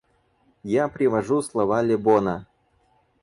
Я привожу слова Лебона.